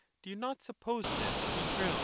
Do you not suppose this to be true?